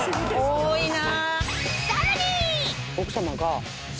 多いな！